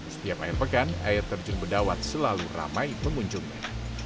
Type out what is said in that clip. setiap air pekan air terjun bedawat selalu ramai pengunjungnya